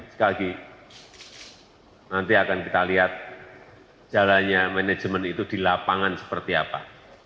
sekali lagi nanti akan kita lihat jalannya manajemen itu di lapangan seperti apa